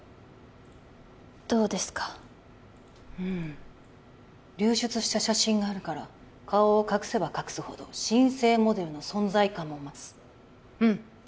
うん流出した写真があるから顔を隠せば隠すほど新星モデルの存在感も増すうん